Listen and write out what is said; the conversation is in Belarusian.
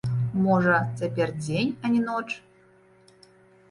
Можа, цяпер дзень, а не ноч?